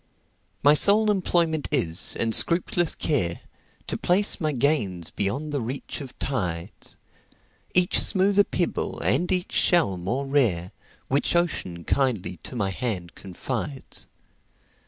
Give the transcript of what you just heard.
My sole employment is, and scrupulous care, To place my gains beyond the reach of tides,—Each smoother pebble, and each shell more rare, Which Ocean kindly to my hand confides.